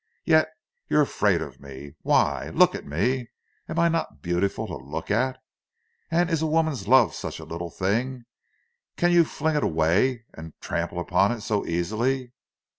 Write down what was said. Yet you're afraid of me—why? Look at me—am I not beautiful to look at! And is a woman's love such a little thing—can you fling it away and trample upon it so easily?